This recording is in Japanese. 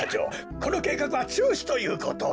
このけいかくはちゅうしということで。